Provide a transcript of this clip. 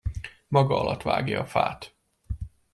Maga alatt vágja a fát.